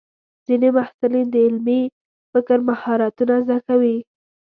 ځینې محصلین د علمي فکر مهارتونه زده کوي.